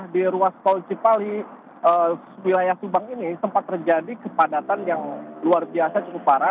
di ruas tol cipali wilayah subang ini sempat terjadi kepadatan yang luar biasa cukup parah